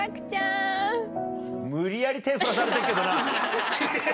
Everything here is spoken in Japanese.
無理やり手振らされてっけどな。